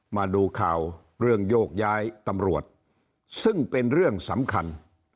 มาดูข่าวเรื่องโยกย้ายตำรวจซึ่งเป็นเรื่องสำคัญ